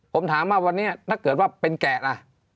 ผมถามว่าวันนี้ถ้าเกิดว่าเป็นแกะล่ะ